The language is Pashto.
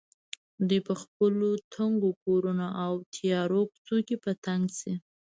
دوی په خپلو تنګو کورونو او تیارو کوڅو کې په تنګ شي.